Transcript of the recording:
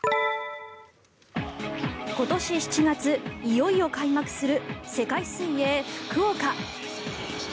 今年７月、いよいよ開幕する世界水泳・福岡。